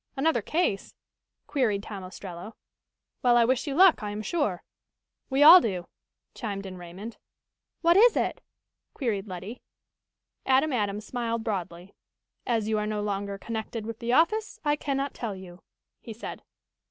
"Another case?" queried Tom Ostrello. "Well, I wish you luck, I am sure." "We all do," chimed in Raymond. "What is it?" queried Letty. Adam Adams smiled broadly. "As you are no longer connected with the office, I cannot tell you," he said.